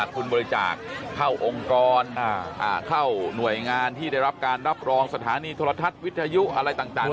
คุณบริจาคเข้าองค์กรเข้าหน่วยงานที่ได้รับการรับรองสถานีโทรทัศน์วิทยุอะไรต่าง